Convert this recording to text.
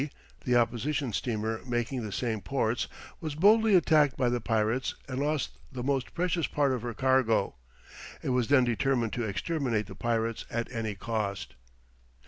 the opposition steamer making the same ports, was boldly attacked by the pirates and lost the most precious part of her cargo. It was then determined to exterminate the pirates at any cost.